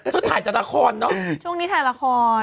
เธอถ่ายจันตราคลเนอะช่วงนี้ถ่ายละคร